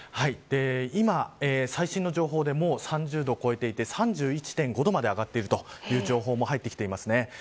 今、最新の情報でもう３０度を超えていて３１．５度まで上がっているという情報も入ってきています。